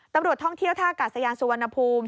ตำรวจท่องเที่ยวท่ากาศยานสุวรรณภูมิ